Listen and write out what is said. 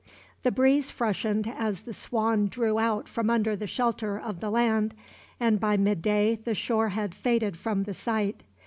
The breeze freshened as the Swan drew out from under the shelter of the land, and by midday the shore had faded from the sight.